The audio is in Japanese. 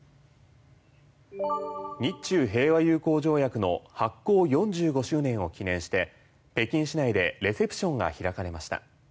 日中平和友好条約の発効４５周年を記念して北京市内でレセプションが開かれました。